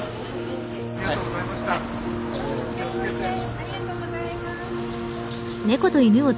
ありがとうございます。